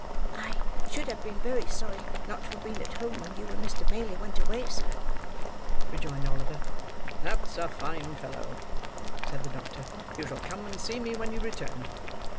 "I should have been very sorry not to have been at home when you and Mr. Maylie went away, sir," rejoined Oliver. "That's a fine fellow," said the doctor; "you shall come and see me when you return.